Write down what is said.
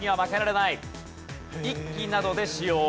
一揆などで使用。